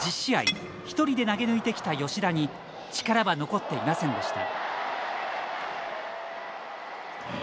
一人で投げ抜いてきた吉田に力は残っていませんでした。